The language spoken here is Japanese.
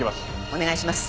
お願いします。